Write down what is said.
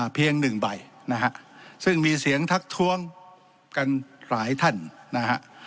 เพียงหนึ่งใบนะฮะซึ่งมีเสียงทักท้วงกันหลายท่านนะฮะ